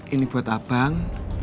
ini buat abang